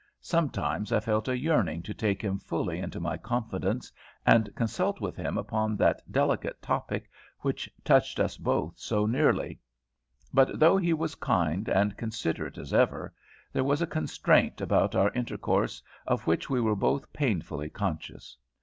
Sometimes I felt a yearning to take him fully into my confidence and consult with him upon that delicate topic which touched us both so nearly; but though he was kind and considerate as ever, there was a constraint about our intercourse of which we were both painfully conscious.